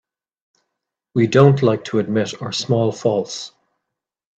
We don't like to admit our small faults.